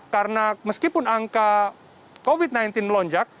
karena meskipun angka covid sembilan belas melonjak